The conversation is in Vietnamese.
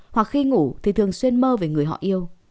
hoặc khi ngủ thì thường xuyên mơ về người họ yêu